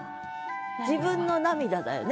自分の涙だよね。